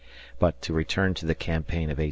But to return to the campaign of 1860.